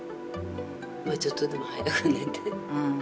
ちょっとでも早く寝て。